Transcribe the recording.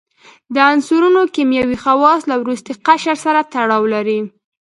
د عنصرونو کیمیاوي خواص له وروستي قشر سره تړاو لري.